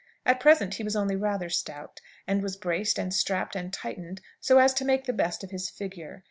At present he was only rather stout, and was braced, and strapped, and tightened, so as to make the best of his figure.